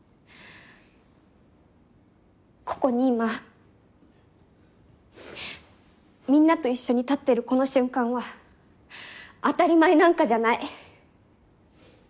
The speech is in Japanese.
ここに今みんなと一緒に立ってるこの瞬間は当たり前なんかじゃない。